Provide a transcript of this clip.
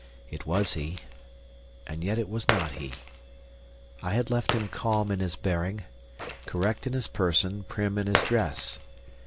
It was he and yet it was not he. I had left him calm in his bearing, correct in his person, prim in his dress.